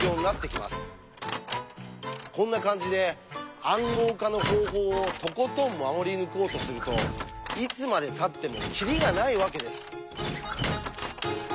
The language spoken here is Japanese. こんな感じで「暗号化の方法」をとことん守り抜こうとするといつまでたってもキリがないわけです。